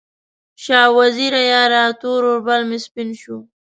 شاه وزیره یاره، تور اوربل مې سپین شو